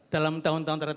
dalam tahun tahun terakhir